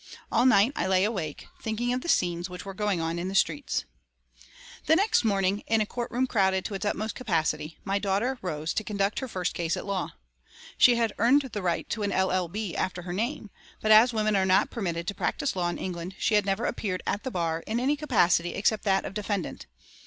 All night I lay awake, thinking of the scenes which were going on in the streets. The next morning, in a courtroom crowded to its utmost capacity, my daughter rose to conduct her first case at law. She had earned the right to an LL.B. after her name, but as women are not permitted to practise law in England, she had never appeared at the bar in any capacity except that of defendant.